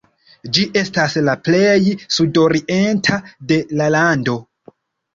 Ĝi estas la plej sudorienta de la lando.